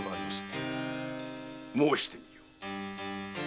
申してみよ。